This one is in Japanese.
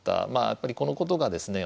やっぱりこのことがですね